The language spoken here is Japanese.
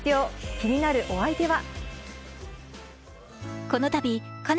気になるお相手は？